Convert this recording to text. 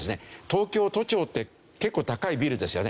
東京都庁って結構高いビルですよね。